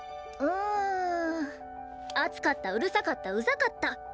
熱かったうるさかったうざかった。